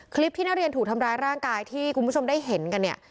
คลิปที่นักเรียนถูกทำร้ายร่างกายที่คุณผู้ชมได้เห็นกันเนี่ย